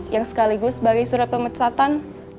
yang sekaligus sebagai surat pemerintah selatan